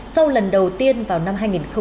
sau lần đầu tiên vào năm hai nghìn một mươi chín